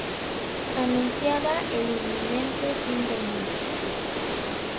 Anunciaba el inminente fin del mundo.